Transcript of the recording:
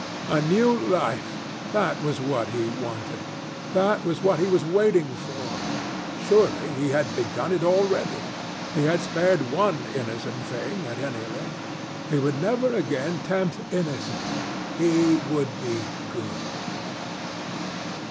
A new life! That was what he wanted. That was what he was waiting for. Surely he had begun it already. He had spared one innocent thing, at any rate. He would never again tempt innocence. He would be good.